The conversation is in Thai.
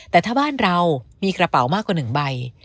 แต่ถ้าบ้านเรามีกระเป๋ามากกว่า๑ใบ